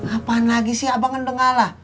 apaan lagi sih abang ngedengar lah